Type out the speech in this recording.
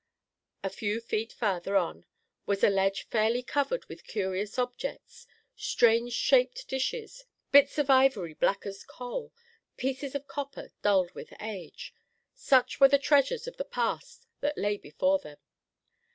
A few feet farther on was a ledge fairly covered with curious objects; strange shaped dishes; bits of ivory, black as coal; pieces of copper, dulled with age. Such were the treasures of the past that lay before them.